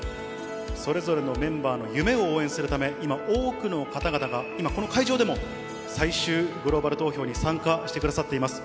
それぞれのメンバーの夢を応援するため、今、多くの方々が、今、この会場でも、最終グローバル投票に参加してくださっています。